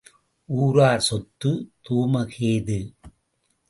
ஊரார் சொத்துத் தூமகேது.